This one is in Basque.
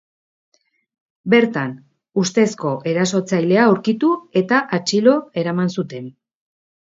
Bertan ustezko erasotzailea aurkitu eta atxilo eraman zuten.